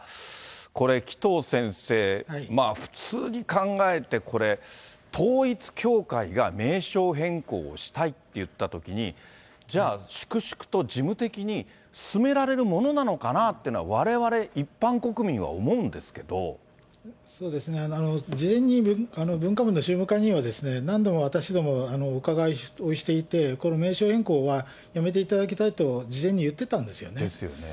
これ、紀藤先生、普通に考えてこれ、統一教会が名称変更をしたいって言ったときに、じゃあ、粛々と事務的に進められるものなのかなっていうのは、われわれ一そうですね、事前に文化部の宗務課には、何度も私どもが伺いをしていて、これ、名称変更はやめていただきたいと事前に言ってたんですよね。